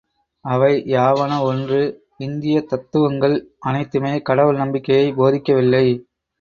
அவை யாவன ஒன்று இந்தியத் தத்துவங்கள் அனைத்துமே கடவுள் நம்பிக்கையைப் போதிக்கவில்லை.